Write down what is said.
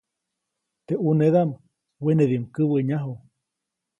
Teʼ ʼunedaʼm wenediʼuŋ käwäʼnyaju.